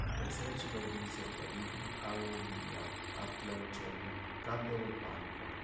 L'esercito di riserva di Ibn al-Mughira a Tlemcen cadde nel panico.